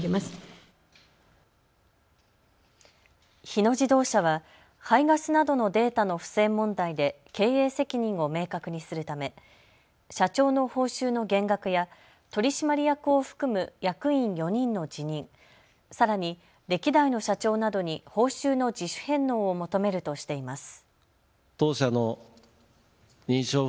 日野自動車は排ガスなどのデータの不正問題で経営責任を明確にするため社長の報酬の減額や取締役を含む役員４人の辞任、さらに歴代の社長などに報酬の自主返納を求めるとしています。